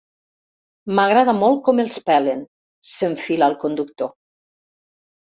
M'agrada molt com els pelen —s'enfila el conductor—.